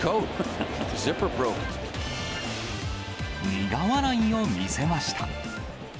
苦笑いを見せました。